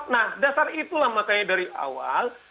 nah dasar itulah makanya dari awal